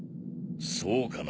そうかな？